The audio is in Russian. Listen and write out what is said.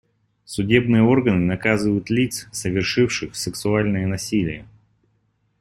Судебные органы наказывают лиц, совершивших сексуальное насилие.